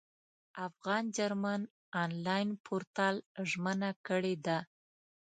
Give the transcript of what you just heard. افغان جرمن انلاین پورتال ژمنه کړې ده.